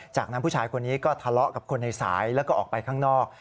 จากนั้นผู้ชายคนนี้ก็ทะเลาะกับคนในสายแล้วก็ออกไปข้างนอก